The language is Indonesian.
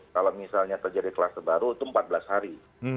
kalau misalnya terjadi klaster baru itu empat belas hari